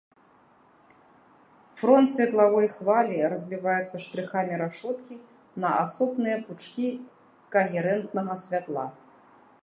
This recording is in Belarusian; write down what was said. Фронт светлавой хвалі разбіваецца штрыхамі рашоткі на асобныя пучкі кагерэнтнага святла.